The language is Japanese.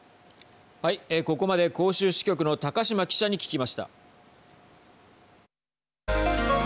ここまで広州支局の高島記者に聞きました。